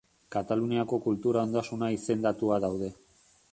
Kataluniako Kultura Ondasuna izendatua daude.